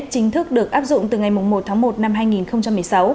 chính thức được áp dụng từ ngày một tháng một năm hai nghìn một mươi sáu